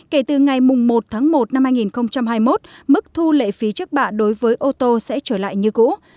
kể từ ngày một tháng một năm hai nghìn hai mươi một mức thu lệ phí trước bạ đối với ô tô sẽ trở lại như cũ